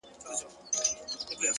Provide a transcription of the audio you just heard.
اخلاق د شخصیت نه جلا کېدونکی رنګ دی،